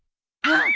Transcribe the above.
あっ！